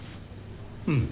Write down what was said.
うん。